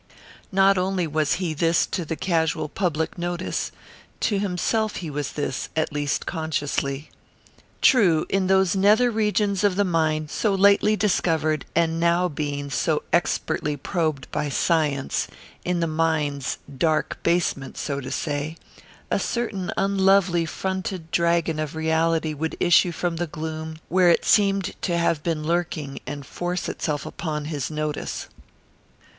Not only was he this to the casual public notice; to himself he was this, at least consciously. True, in those nether regions of the mind so lately discovered and now being so expertly probed by Science, in the mind's dark basement, so to say, a certain unlovely fronted dragon of reality would issue from the gloom where it seemed to have been lurking and force itself upon his notice.